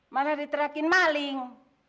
malah diterakin maling